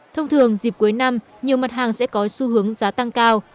thông thường dịp cuối năm nhiều mặt hàng sẽ có xu hướng giá tăng cao